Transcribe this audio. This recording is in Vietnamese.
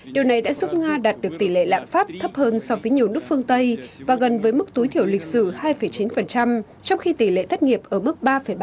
điều này đã giúp nga đạt được tỷ lệ lạm phát thấp hơn so với nhiều nước phương tây và gần với mức tối thiểu lịch sử hai chín trong khi tỷ lệ thất nghiệp ở mức ba ba